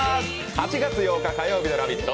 ８月８日火曜日の「ラヴィット！」